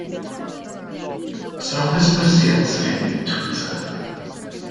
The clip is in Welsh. Sawl hysbysiad sgen i yn Twitter?